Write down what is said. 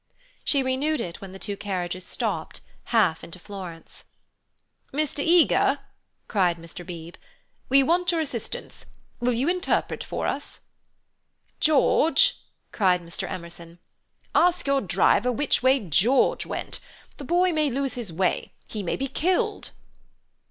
She renewed it when the two carriages stopped, half into Florence. "Mr. Eager!" called Mr. Beebe. "We want your assistance. Will you interpret for us?" "George!" cried Mr. Emerson. "Ask your driver which way George went. The boy may lose his way. He may be killed."